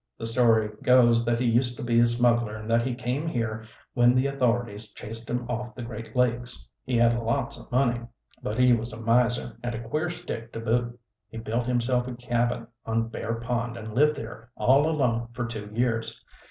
The story goes that he used to be a smuggler and that he came here when the authorities chased him off the Great Lakes. He had lots o' money, but he was a miser, and a queer stick to boot. He built himself a cabin on Bear Pond, and lived there all alone for two years.